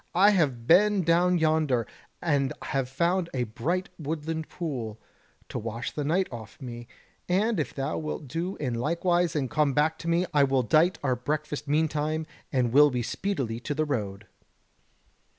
I have been down yonder, and have found a bright woodland pool, to wash the night off me, and if thou wilt do in likewise and come back to me, I will dight our breakfast meantime, and will we speedily to the road."